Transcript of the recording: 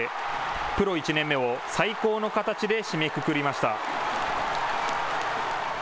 プロ１年目を最高の形で締めくくりました。